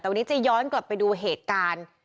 แต่วันนี้จะย้อนกลับไปดูเหตุการณ์